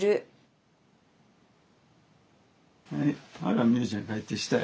ほら美夢ちゃん帰ってきたよ。